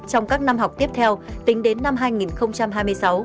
trong các năm học tiếp theo tính đến năm hai nghìn hai mươi sáu